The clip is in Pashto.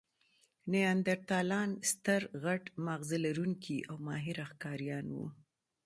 نیاندرتالان ستر، غټ ماغزه لرونکي او ماهره ښکاریان وو.